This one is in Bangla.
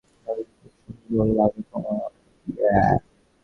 রাগলে খুব সুন্দর লাগে তোমায়।